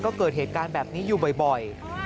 ก็เกิดเหตุการณ์แบบนี้อยู่บ่อย